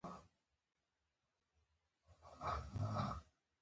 د پوستکي د حساسیت لپاره د سدر اوبه وکاروئ